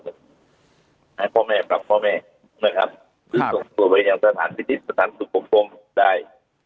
ให้พ่อแม่กลับพ่อแม่นะครับส่งตัวไปอย่างสถานที่นิดสถานทุกของพรมได้